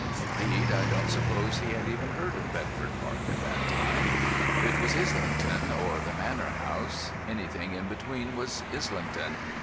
Indeed, I don't suppose he had even heard of Bedford Park at that time. It was Islington or The Manor House; anything in between was Islington.